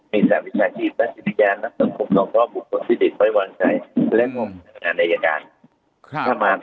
มีสถานพิชาชีพพระศิริยานักภูมิสมศาลภูมิประสิทธิ์ไว้วางใจและการอันยาการ